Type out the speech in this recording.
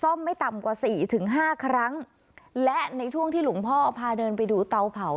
ไม่ต่ำกว่าสี่ถึงห้าครั้งและในช่วงที่หลวงพ่อพาเดินไปดูเตาเผา